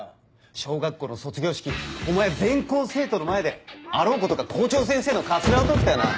小学校の卒業式お前は全校生徒の前であろうことか校長先生のカツラを取ったよな。